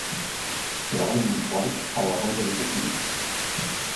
Treballin fort a la vora de Pequín.